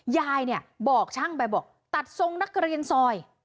ยายเนี่ยบอกช่างไปบอกตัดทรงนักเรียนซอย